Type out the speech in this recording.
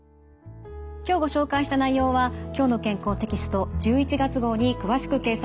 今日ご紹介した内容は「きょうの健康」テキスト１１月号に詳しく掲載されています。